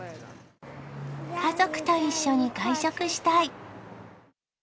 家族と一緒に外食したい。